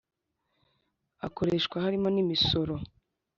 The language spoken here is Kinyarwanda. akoreshwa harimo n imisoro